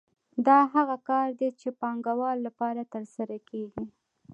دا هغه کار دی چې د پانګوالو لپاره ترسره کېږي